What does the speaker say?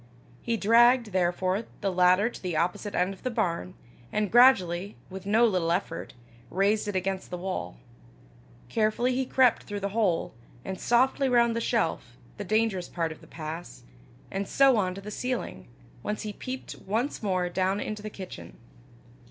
He dragged, therefore, the ladder to the opposite end of the barn, and gradually, with no little effort, raised it against the wall. Carefully he crept through the hole, and softly round the shelf, the dangerous part of the pass, and so on to the ceiling, whence he peeped once more down into the kitchen.